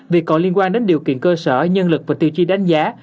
việc còn liên quan đến điều kiện cơ sở nhân lực và tiêu chi đánh giá